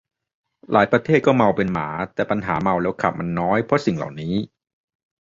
หลายประเทศก็เมาเป็นหมา แต่ปัญหาเมาแล้วขับมันน้อยเพราะสิ่งเหล่านี้